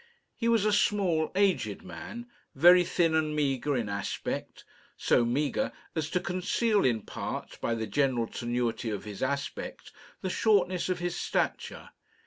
He was a small, aged man, very thin and meagre in aspect so meagre as to conceal in part, by the general tenuity of his aspect, the shortness of his stature.